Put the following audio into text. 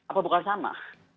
apa bukan sama